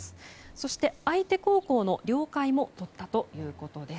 そして、相手高校の了解もとったということです。